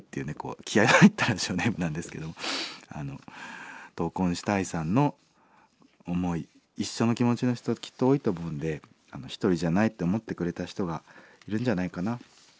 気合いが入ったラジオネームなんですけどトウコンシタイさんの思い一緒の気持ちの人きっと多いと思うんで１人じゃないって思ってくれた人がいるんじゃないかな。